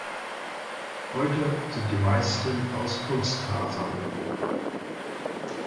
Heute sind die meisten aus Kunstfasern.